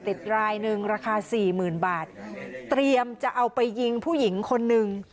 ติดรายหนึ่งราคาสี่หมื่นบาทเตรียมจะเอาไปยิงผู้หญิงคนหนึ่ง